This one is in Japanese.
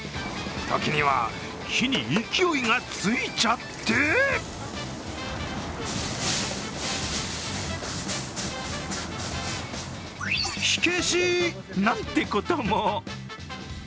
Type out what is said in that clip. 時には火に勢いがついちゃって火消しなんてことも。